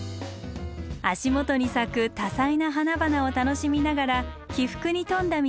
足元に咲く多彩な花々を楽しみながら起伏に富んだ道を歩きます。